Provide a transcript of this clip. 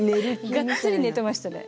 がっつり寝ていましたね